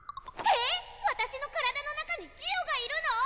えっ私の体の中にジオがいるの！？